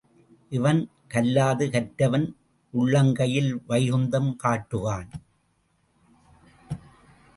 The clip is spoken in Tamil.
இவன் கல்லாது கற்றவன் உள்ளங்கையில் வைகுந்தம் காட்டுவான்.